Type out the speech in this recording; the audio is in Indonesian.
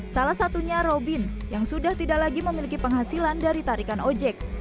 salah satunya robin yang sudah tidak lagi memiliki penghasilan dari tarikan ojek